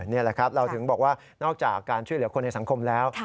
นี่แหละครับเราถึงบอกว่านอกจากการช่วยเหลือคนในสังคมแล้ว